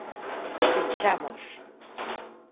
¡Pechamos!